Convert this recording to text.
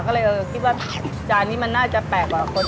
คิดว่าจานนี้น่าจะแปลกกว่าบริการ